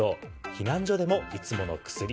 避難所でもいつもの薬。